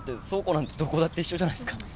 倉庫なんてどこだって一緒じゃないっすか？